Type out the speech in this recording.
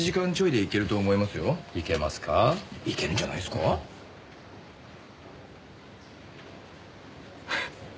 いけるんじゃないっすか？